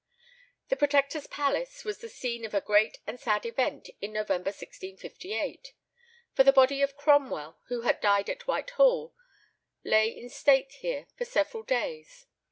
The Protector's palace was the scene of a great and sad event in November 1658; for the body of Cromwell, who had died at Whitehall, lay in state here for several days.